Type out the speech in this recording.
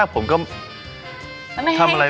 แล้วไม่ให้พี่ชายคุณปามทำไปหรอ